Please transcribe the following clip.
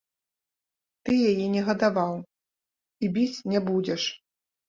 Ты яе не гадаваў і біць не будзеш.